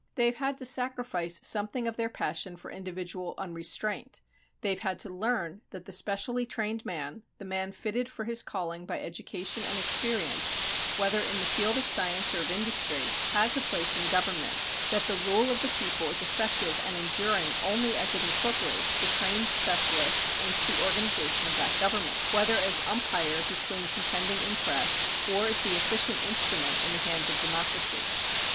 They have had to sacrifice something of their passion for individual unrestraint; they have had to learn that the specially trained man, the man fitted for his calling by education and experience, whether in the field of science or of industry, has a place in government; that the rule of the people is effective and enduring only as it incorporates the trained specialist into the organization of that government, whether as umpire between contending interests or as the efficient instrument in the hands of democracy.